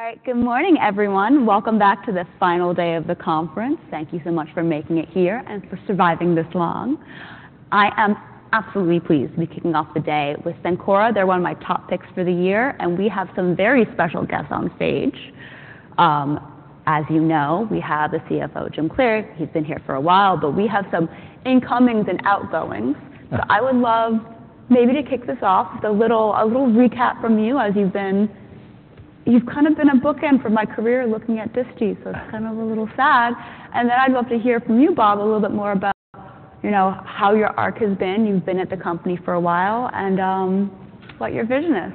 All right, good morning, everyone. Welcome back to the final day of the conference. Thank you so much for making it here and for surviving this long. I am absolutely pleased to be kicking off the day with Cencora. They're one of my top picks for the year, and we have some very special guests on stage. As you know, we have the CFO, Jim Cleary. He's been here for a while, but we have some incomings and outgoings. So I would love maybe to kick this off with a little recap from you as you've kind of been a bookend for my career looking at disty, so it's kind of a little sad. And then I'd love to hear from you, Bob, a little bit more about how your arc has been. You've been at the company for a while, and what your vision is.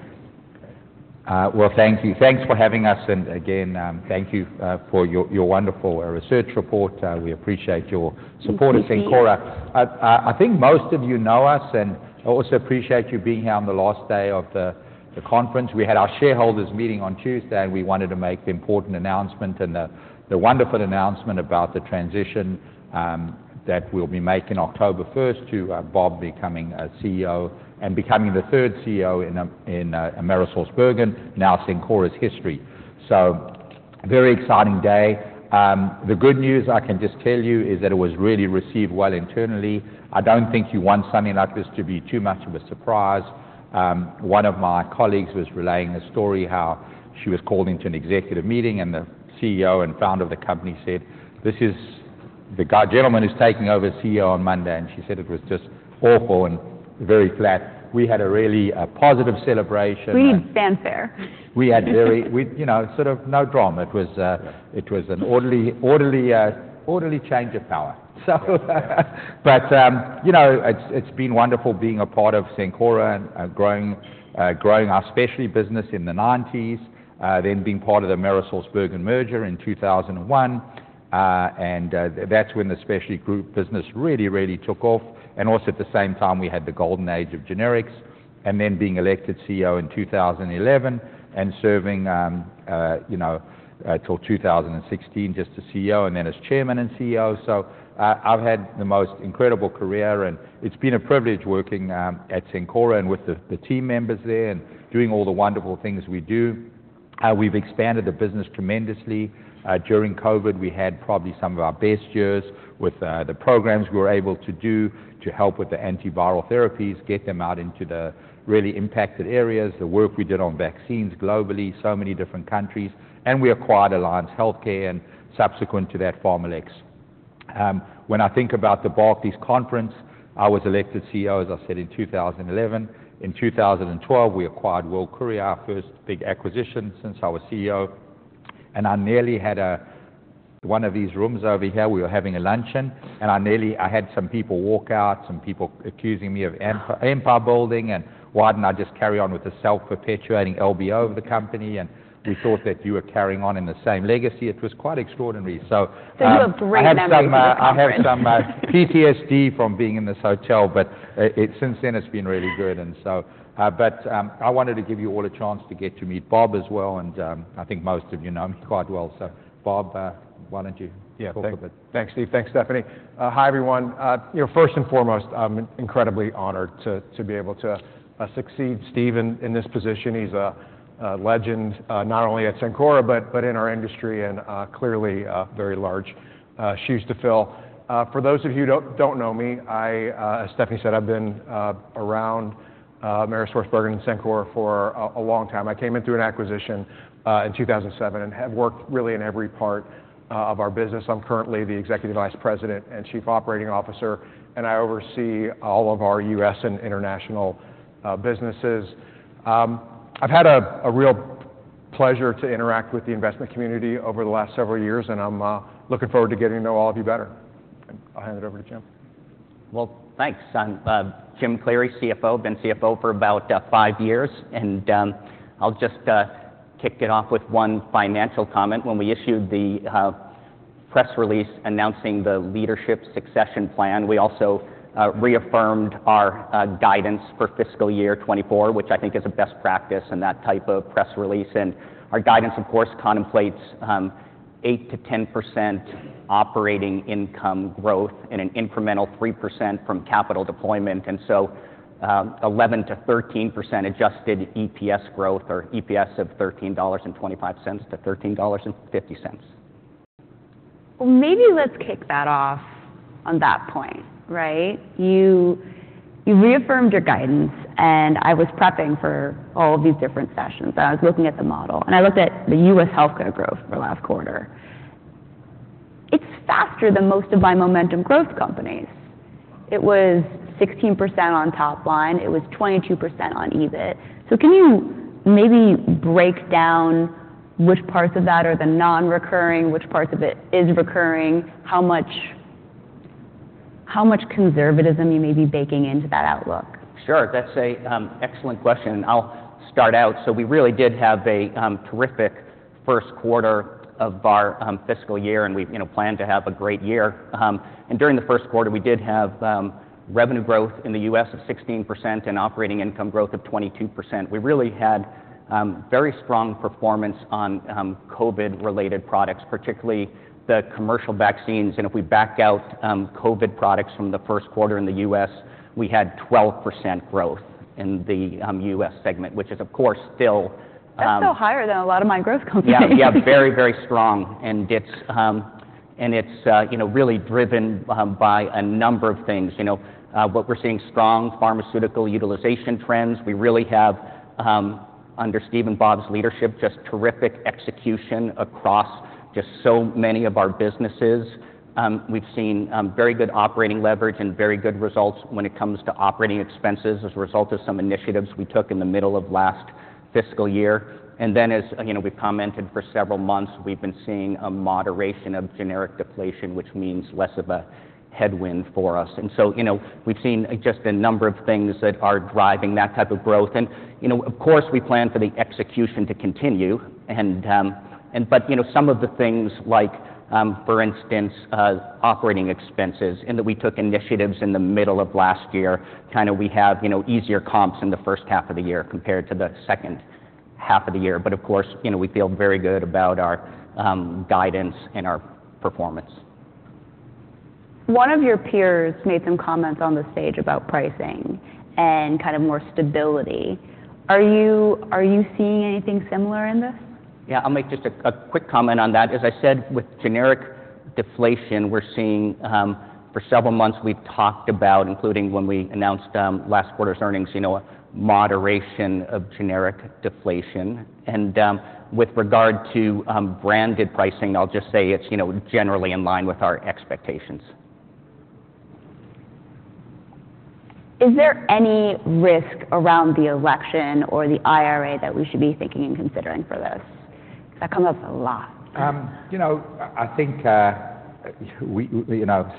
Well, thank you. Thanks for having us, and again, thank you for your wonderful research report. We appreciate your support at Cencora. I think most of you know us, and I also appreciate you being here on the last day of the conference. We had our shareholders meeting on Tuesday, and we wanted to make the important announcement and the wonderful announcement about the transition that we'll be making October 1st to Bob becoming a CEO and becoming the third CEO in AmerisourceBergen, now Cencora's history. So very exciting day. The good news I can just tell you is that it was really received well internally. I don't think you want something like this to be too much of a surprise. One of my colleagues was relaying a story how she was called into an executive meeting, and the CEO and founder of the company said, "This is the gentleman who's taking over CEO on Monday," and she said it was just awful and very flat. We had a really positive celebration. We need fanfare. We had very sort of no drama. It was an orderly change of power. But it's been wonderful being a part of Cencora and growing our specialty business in the 1990s, then being part of the AmerisourceBergen merger in 2001. That's when the specialty group business really, really took off. Also at the same time, we had the golden age of generics, and then being elected CEO in 2011 and serving till 2016 just as CEO and then as Chairman and CEO. So I've had the most incredible career, and it's been a privilege working at Cencora and with the team members there and doing all the wonderful things we do. We've expanded the business tremendously. During COVID, we had probably some of our best years with the programs we were able to do to help with the antiviral therapies, get them out into the really impacted areas, the work we did on vaccines globally, so many different countries, and we acquired Alliance Healthcare and subsequent to that, PharmaLex. When I think about the Barclays conference, I was elected CEO, as I said, in 2011. In 2012, we acquired World Courier, our first big acquisition since I was CEO. I nearly had one of these rooms over here. We were having a luncheon, and I had some people walk out, some people accusing me of empire building, and, "Why don't I just carry on with the self-perpetuating LBO of the company?" We thought that you were carrying on in the same legacy. It was quite extraordinary. You have great memories. I have some PTSD from being in this hotel, but since then, it's been really good. But I wanted to give you all a chance to get to meet Bob as well, and I think most of you know me quite well. So Bob, why don't you talk a bit? Thanks, Steve. Thanks, Stephanie. Hi, everyone. First and foremost, I'm incredibly honored to be able to succeed Steve in this position. He's a legend not only at Cencora but in our industry and clearly a very large shoe to fill. For those of you who don't know me, as Stephanie said, I've been around AmerisourceBergen and Cencora for a long time. I came into an acquisition in 2007 and have worked really in every part of our business. I'm currently the Executive Vice President and Chief Operating Officer, and I oversee all of our U.S. and international businesses. I've had a real pleasure to interact with the investment community over the last several years, and I'm looking forward to getting to know all of you better. I'll hand it over to Jim. Well, thanks. I'm Jim Cleary, CFO. Been CFO for about five years. I'll just kick it off with one financial comment. When we issued the press release announcing the leadership succession plan, we also reaffirmed our guidance for fiscal year 2024, which I think is a best practice and that type of press release. Our guidance, of course, contemplates 8% to 10% operating income growth and an incremental 3% from capital deployment, and so 11% to 13% adjusted EPS growth or EPS of $13.25 to $13.50. Well, maybe let's kick that off on that point, right? You reaffirmed your guidance, and I was prepping for all of these different sessions. I was looking at the model, and I looked at the U.S. healthcare growth for last quarter. It's faster than most of my momentum growth companies. It was 16% on top line. It was 22% on EBIT. So can you maybe break down which parts of that are the non-recurring, which parts of it is recurring, how much conservatism you may be baking into that outlook? Sure. That's an excellent question. I'll start out. We really did have a terrific first quarter of our fiscal year, and we plan to have a great year. During the first quarter, we did have revenue growth in the U.S. of 16% and operating income growth of 22%. We really had very strong performance on COVID-related products, particularly the commercial vaccines. If we back out COVID products from the first quarter in the U.S., we had 12% growth in the U.S. segment, which is, of course, still. That's still higher than a lot of my growth companies. Yeah, yeah, very, very strong. And it's really driven by a number of things. What we're seeing is strong pharmaceutical utilization trends. We really have, under Steve and Bob's leadership, just terrific execution across just so many of our businesses. We've seen very good operating leverage and very good results when it comes to operating expenses as a result of some initiatives we took in the middle of last fiscal year. And then, as we've commented for several months, we've been seeing a moderation of generic deflation, which means less of a headwind for us. And so we've seen just a number of things that are driving that type of growth. And of course, we plan for the execution to continue. But some of the things, like, for instance, operating expenses and that we took initiatives in the middle of last year, kind of we have easier comps in the first half of the year compared to the second half of the year. But of course, we feel very good about our guidance and our performance. One of your peers made some comments on the stage about pricing and kind of more stability. Are you seeing anything similar in this? Yeah, I'll make just a quick comment on that. As I said, with generic deflation, we're seeing for several months, we've talked about, including when we announced last quarter's earnings, a moderation of generic deflation. With regard to branded pricing, I'll just say it's generally in line with our expectations. Is there any risk around the election or the IRA that we should be thinking and considering for this? Because that comes up a lot. I think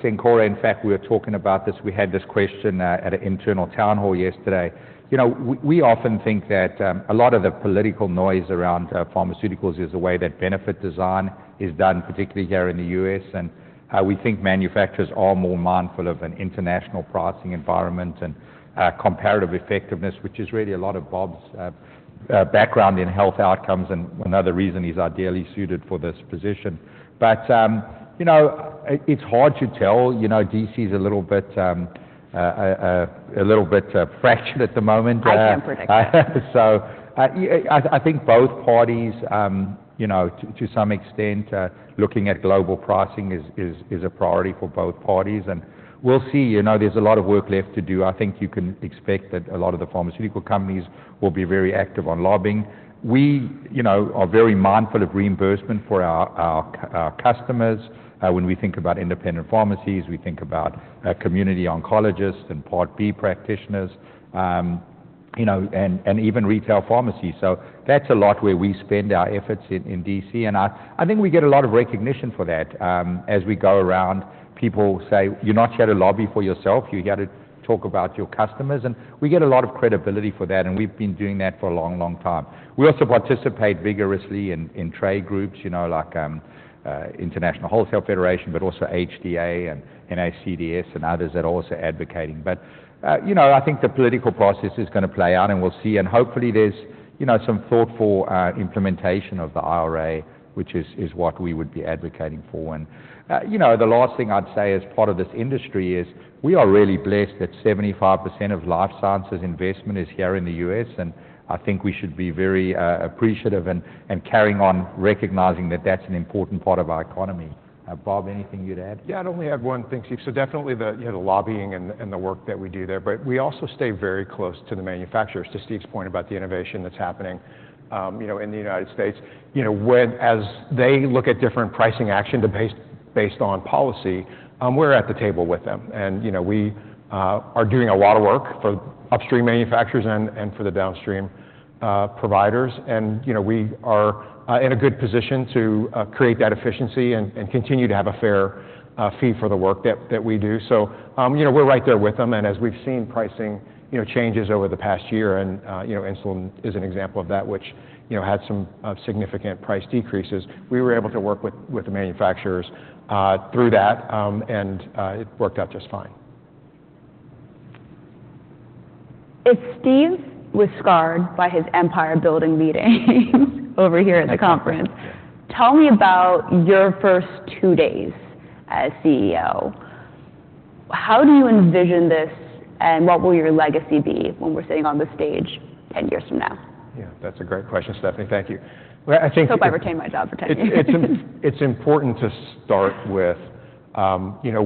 Cencora, in fact, we were talking about this. We had this question at an internal town hall yesterday. We often think that a lot of the political noise around pharmaceuticals is the way that benefit design is done, particularly here in the U.S. And we think manufacturers are more mindful of an international pricing environment and comparative effectiveness, which is really a lot of Bob's background in health outcomes and another reason he's ideally suited for this position. But it's hard to tell. D.C. is a little bit fractured at the moment. I can predict that. So I think both parties, to some extent, looking at global pricing is a priority for both parties. And we'll see. There's a lot of work left to do. I think you can expect that a lot of the pharmaceutical companies will be very active on lobbying. We are very mindful of reimbursement for our customers. When we think about independent pharmacies, we think about community oncologists and Part B practitioners and even retail pharmacies. So that's a lot where we spend our efforts in D.C. And I think we get a lot of recognition for that as we go around. People say, "You're not here to lobby for yourself. You're here to talk about your customers." And we get a lot of credibility for that, and we've been doing that for a long, long time. We also participate vigorously in trade groups like International Federation of Pharmaceutical Wholesalers, but also HDA and NACDS and others that are also advocating. But I think the political process is going to play out, and we'll see. And hopefully, there's some thoughtful implementation of the IRA, which is what we would be advocating for. And the last thing I'd say as part of this industry is we are really blessed that 75% of life sciences investment is here in the U.S. And I think we should be very appreciative and carrying on recognizing that that's an important part of our economy. Bob, anything you'd add? Yeah, I'd only add one thing, Steve. So definitely the lobbying and the work that we do there. But we also stay very close to the manufacturers, to Steve's point about the innovation that's happening in the United States. As they look at different pricing action based on policy, we're at the table with them. And we are doing a lot of work for upstream manufacturers and for the downstream providers. And we are in a good position to create that efficiency and continue to have a fair fee for the work that we do. So we're right there with them. And as we've seen pricing changes over the past year, and insulin is an example of that, which had some significant price decreases, we were able to work with the manufacturers through that, and it worked out just fine. If Steve was scarred by his empire-building meetings over here at the conference, tell me about your first two days as CEO. How do you envision this, and what will your legacy be when we're sitting on the stage 10 years from now? Yeah, that's a great question, Stephanie. Thank you. I hope I retain my job for 10 years. It's important to start with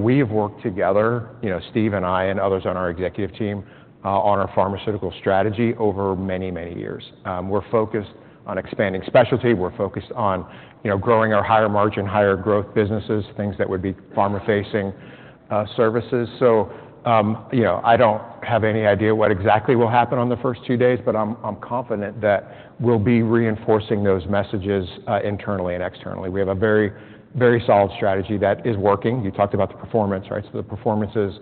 we have worked together, Steve and I and others on our executive team, on our pharmaceutical strategy over many, many years. We're focused on expanding specialty. We're focused on growing our higher margin, higher growth businesses, things that would be pharma-facing services. So I don't have any idea what exactly will happen on the first two days, but I'm confident that we'll be reinforcing those messages internally and externally. We have a very, very solid strategy that is working. You talked about the performance, right? So the performance is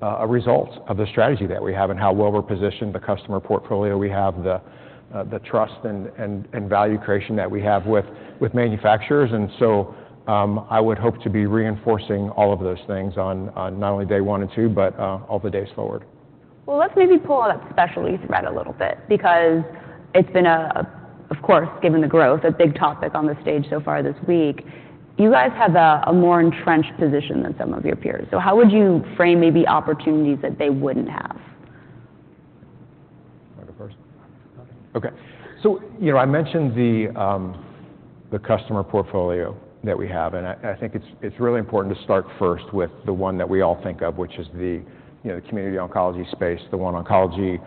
a result of the strategy that we have and how well we're positioned, the customer portfolio we have, the trust and value creation that we have with manufacturers. And so I would hope to be reinforcing all of those things on not only day one and two, but all the days forward. Well, let's maybe pull on that specialty thread a little bit because it's been a, of course, given the growth, a big topic on the stage so far this week. You guys have a more entrenched position than some of your peers. So how would you frame maybe opportunities that they wouldn't have? I'll go first. Ok. Ok. So I mentioned the customer portfolio that we have, and I think it's really important to start first with the one that we all think of, which is the community oncology space. The OneOncology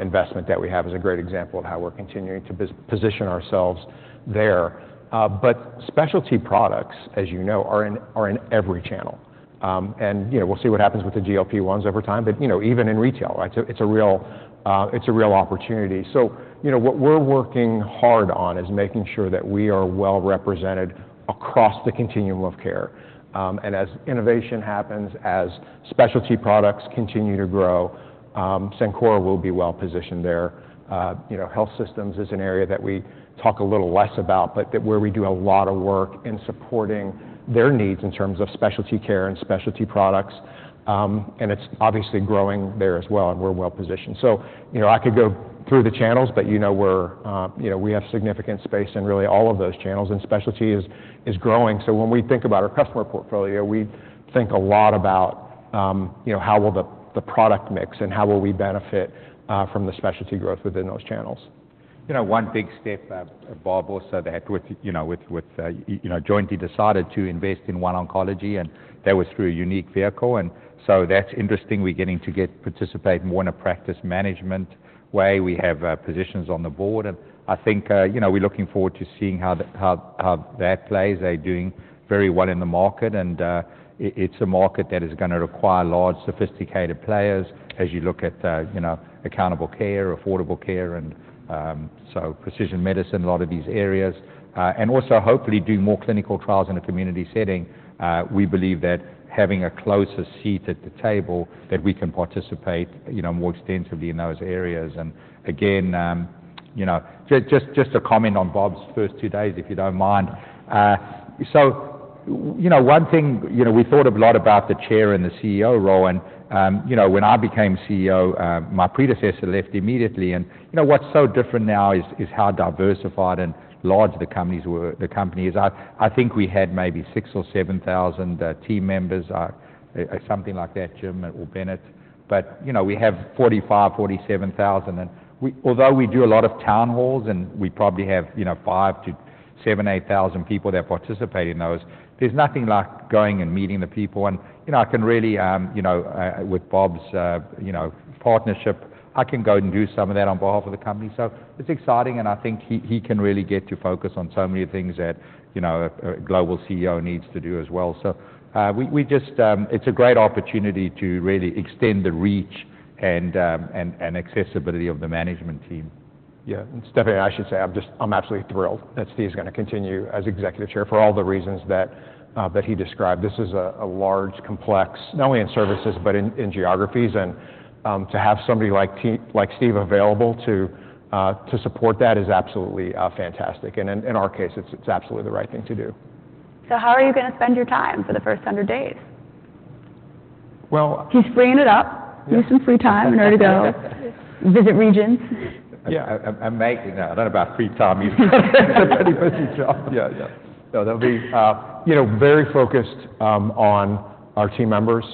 investment that we have is a great example of how we're continuing to position ourselves there. But specialty products, as you know, are in every channel. And we'll see what happens with the GLP-1s over time. But even in retail, it's a real opportunity. So what we're working hard on is making sure that we are well represented across the continuum of care. And as innovation happens, as specialty products continue to grow, Cencora will be well positioned there. Health systems is an area that we talk a little less about, but where we do a lot of work in supporting their needs in terms of specialty care and specialty products. It's obviously growing there as well, and we're well positioned. So I could go through the channels, but we have significant space in really all of those channels, and specialty is growing. So when we think about our customer portfolio, we think a lot about how the product mix will benefit us from the specialty growth within those channels. One big step, Bob, also there with TPG decided to invest in OneOncology, and that was through a unique vehicle. So that's interesting. We're getting to participate more in a practice management way. We have positions on the board. I think we're looking forward to seeing how that plays. They're doing very well in the market, and it's a market that is going to require large, sophisticated players as you look at Accountable Care, Affordable Care, and so Precision Medicine, a lot of these areas, and also hopefully do more clinical trials in a community setting. We believe that having a closer seat at the table, that we can participate more extensively in those areas. Again, just a comment on Bob's first two days, if you don't mind. So one thing, we thought a lot about the chair and the CEO role. When I became CEO, my predecessor left immediately. What's so different now is how diversified and large the company is. I think we had maybe 6,000 or 7,000 team members, something like that, Jim or Bennett. But we have 45,000, 47,000. And although we do a lot of town halls, and we probably have 5,000-8,000 people that participate in those, there's nothing like going and meeting the people. And I can really, with Bob's partnership, I can go and do some of that on behalf of the company. So it's exciting, and I think he can really get to focus on so many things that a global CEO needs to do as well. So it's a great opportunity to really extend the reach and accessibility of the management team. Yeah. And Stephanie, I should say I'm absolutely thrilled that Steve's going to continue as Executive Chair for all the reasons that he described. This is a large, complex, not only in services but in geographies. And to have somebody like Steve available to support that is absolutely fantastic. And in our case, it's absolutely the right thing to do. How are you going to spend your time for the first 100 days? He's freeing it up. Use some free time in order to go visit regions. Yeah. I don't know about free time. It's a pretty busy job. Yeah, yeah. No, they'll be very focused on our team members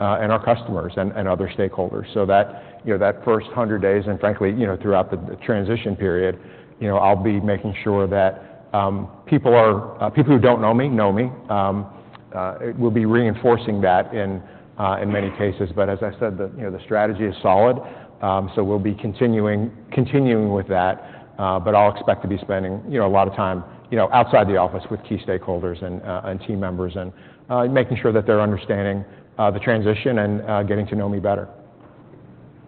and our customers and other stakeholders. So that first 100 days, and frankly, throughout the transition period, I'll be making sure that people who don't know me know me. We'll be reinforcing that in many cases. But as I said, the strategy is solid. So we'll be continuing with that. But I'll expect to be spending a lot of time outside the office with key stakeholders and team members and making sure that they're understanding the transition and getting to know me better.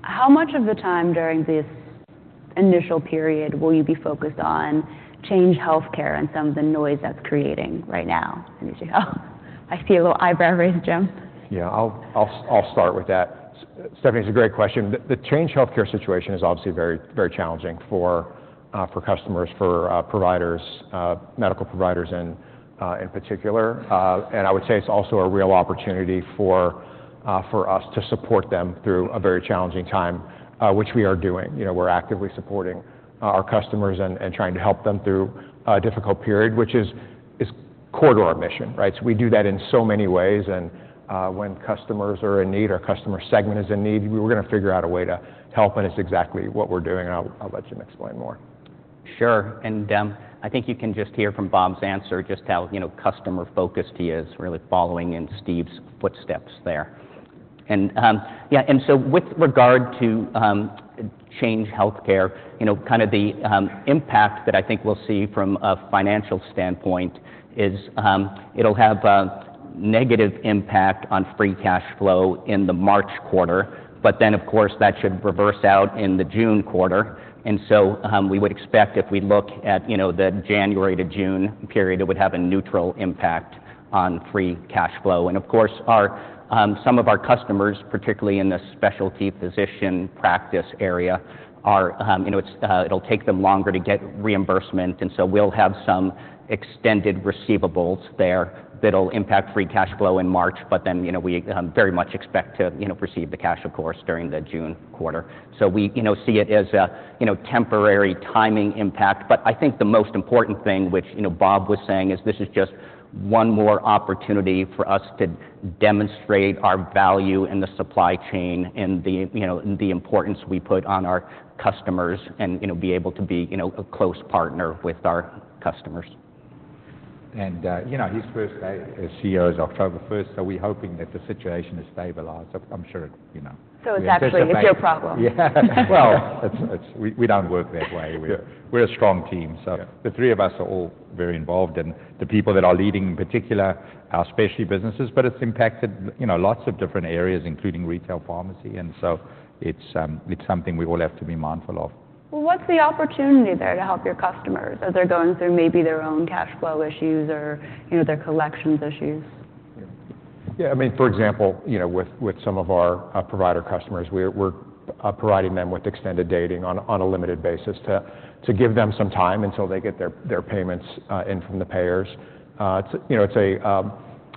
How much of the time during this initial period will you be focused on Change Healthcare and some of the noise that's creating right now in D.C. health? I see a little eyebrow raised, Jim. Yeah, I'll start with that. Stephanie, it's a great question. The Change Healthcare situation is obviously very challenging for customers, for providers, medical providers in particular. I would say it's also a real opportunity for us to support them through a very challenging time, which we are doing. We're actively supporting our customers and trying to help them through a difficult period, which is core to our mission, right? We do that in so many ways. When customers are in need, our customer segment is in need, we're going to figure out a way to help. It's exactly what we're doing. I'll let Jim explain more. Sure. And I think you can just hear from Bob's answer just how customer-focused he is, really following in Steve's footsteps there. And yeah, and so with regard to Change Healthcare, kind of the impact that I think we'll see from a financial standpoint is it'll have a negative impact on Free Cash Flow in the March quarter. But then, of course, that should reverse out in the June quarter. And so we would expect if we look at the January to June period, it would have a neutral impact on Free Cash Flow. And of course, some of our customers, particularly in the specialty physician practice area, it'll take them longer to get reimbursement. And so we'll have some extended receivables there that'll impact Free Cash Flow in March. But then we very much expect to receive the cash, of course, during the June quarter. We see it as a temporary timing impact. But I think the most important thing, which Bob was saying, is this is just one more opportunity for us to demonstrate our value in the supply chain and the importance we put on our customers and be able to be a close partner with our customers. His first day as CEO is October 1st. We're hoping that the situation is stabilized. I'm sure it. So it's actually your problem. Yeah. Well, we don't work that way. We're a strong team. The three of us are all very involved. And the people that are leading, in particular, are specialty businesses. But it's impacted lots of different areas, including retail pharmacy. And so it's something we all have to be mindful of. Well, what's the opportunity there to help your customers as they're going through maybe their own cash flow issues or their collections issues? Yeah. I mean, for example, with some of our provider customers, we're providing them with extended dating on a limited basis to give them some time until they get their payments in from the payers. It's a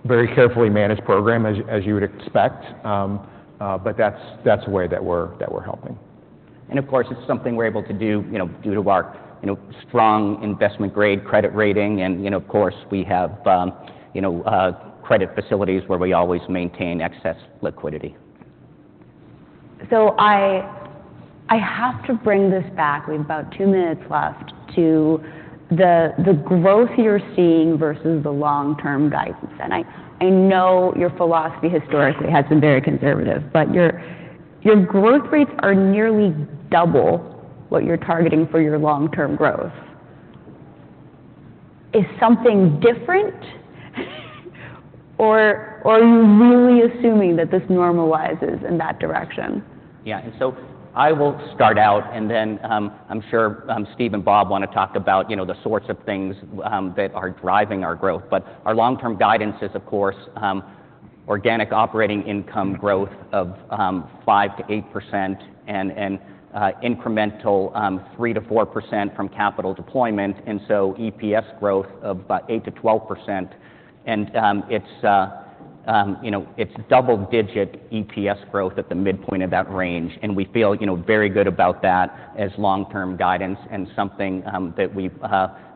very carefully managed program, as you would expect. But that's a way that we're helping. Of course, it's something we're able to do due to our strong investment-grade credit rating. Of course, we have credit facilities where we always maintain excess liquidity. So I have to bring this back. We have about two minutes left to the growth you're seeing versus the long-term guidance. And I know your philosophy historically has been very conservative. But your growth rates are nearly double what you're targeting for your long-term growth. Is something different, or are you really assuming that this normalizes in that direction? Yeah. And so I will start out. And then I'm sure Steve and Bob want to talk about the sorts of things that are driving our growth. But our long-term guidance is, of course, organic operating income growth of 5% to 8% and incremental 3% to 4% from capital deployment. And so EPS growth of about 8% to 12%. And it's double-digit EPS growth at the midpoint of that range. And we feel very good about that as long-term guidance and something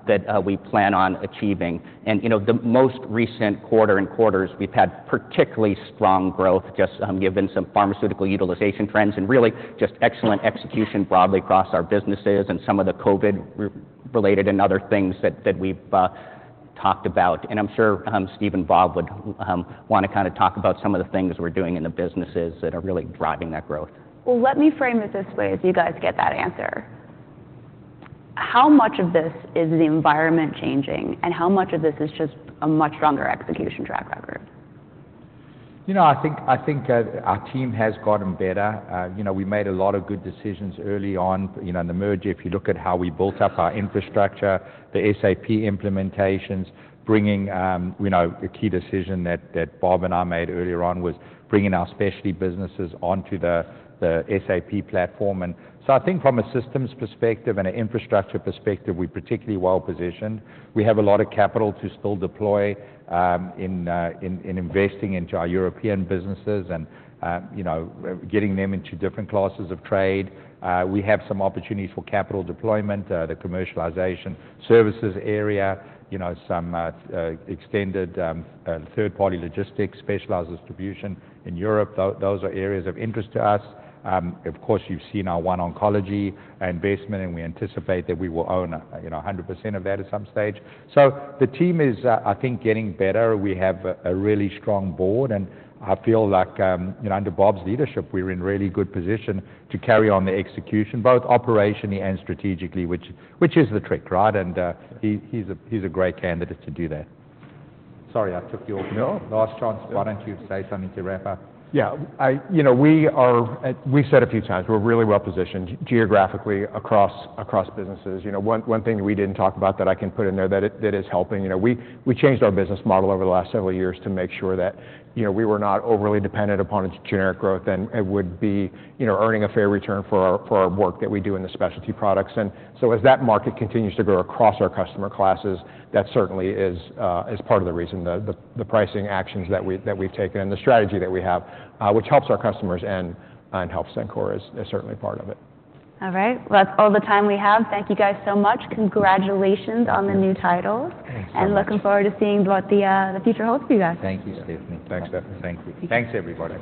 that we plan on achieving. And the most recent quarter and quarters, we've had particularly strong growth just given some pharmaceutical utilization trends and really just excellent execution broadly across our businesses and some of the COVID-related and other things that we've talked about. I'm sure Steve and Bob would want to kind of talk about some of the things we're doing in the businesses that are really driving that growth. Well, let me frame it this way as you guys get that answer. How much of this is the environment changing, and how much of this is just a much stronger execution track record? You know, I think our team has gotten better. We made a lot of good decisions early on in the merger. If you look at how we built up our infrastructure, the SAP implementations, bringing a key decision that Bob and I made earlier on was bringing our specialty businesses onto the SAP platform. And so I think from a systems perspective and an infrastructure perspective, we're particularly well positioned. We have a lot of capital to still deploy in investing into our European businesses and getting them into different classes of trade. We have some opportunities for capital deployment, the commercialization services area, some extended third-party logistics, specialized distribution in Europe. Those are areas of interest to us. Of course, you've seen our OneOncology investment, and we anticipate that we will own 100% of that at some stage. So the team is, I think, getting better. We have a really strong board. I feel like under Bob's leadership, we're in really good position to carry on the execution, both operationally and strategically, which is the trick, right? He's a great candidate to do that. Sorry, I took your last chance. Why don't you say something to wrap up? Yeah. We said a few times. We're really well positioned geographically across businesses. One thing that we didn't talk about that I can put in there that is helping, we changed our business model over the last several years to make sure that we were not overly dependent upon generic growth and would be earning a fair return for our work that we do in the specialty products. And so as that market continues to grow across our customer classes, that certainly is part of the reason, the pricing actions that we've taken and the strategy that we have, which helps our customers. And help Cencora is certainly part of it. All right. Well, that's all the time we have. Thank you guys so much. Congratulations on the new titles. Looking forward to seeing what the future holds for you guys. Thank you, Stephanie. Thanks, Stephanie. Thank you. Thanks, everybody.